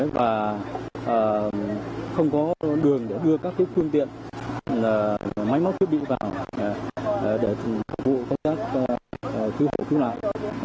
và không có đường để đưa các phương tiện máy móc thiết bị vào để phục vụ công tác cứu hộ cứu nạn